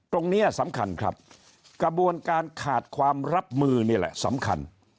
ตรงนี้สำคัญครับกระบวนการขาดความรับมือนี่แหละสำคัญ